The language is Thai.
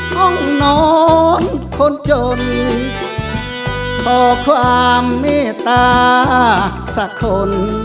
ห้องนอนคนจนขอความเมตตาสักคน